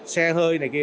xe hơi này kia